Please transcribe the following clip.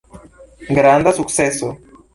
Granda sukceso!